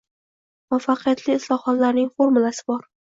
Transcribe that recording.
Muvaffaqiyatli islohotlarning formulasi bor.